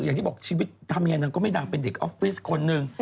อย่างที่บอกชีวิตทำยังไงนางก็ไม่ดังเป็นเด็กออฟฟิศคนหนึ่ง